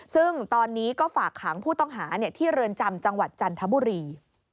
ซึ่งตอนนี้ก็ฝากขังผู้ต้องหาที่เรือนจำจังหวัดจันทบุรี